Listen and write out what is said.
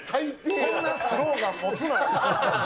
そんなスローガン持つなよ。